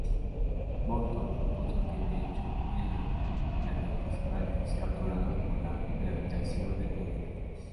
Moulton propuso que de hecho eran planetesimales capturados por la gravitación del planeta.